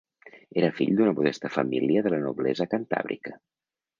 Era fill d'una modesta família de la noblesa cantàbrica.